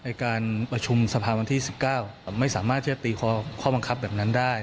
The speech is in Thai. ยตตีข้อบังคับแบบนั้นได้